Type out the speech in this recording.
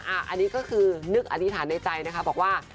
อันนี้ก็คือนึกอธิษฐานในใจนะคะบอกว่า